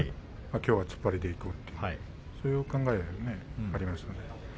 きょうは突っ張りでいこうというそういう考えはありましたね。